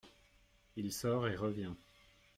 Il sort et revient.